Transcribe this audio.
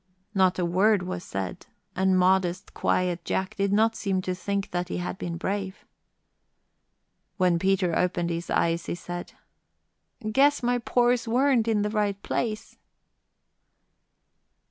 Not a word was said, and modest, quiet Jack did not seem to think that he had been brave. When Peter opened his eyes he said, "Guess my pores weren't in the right place."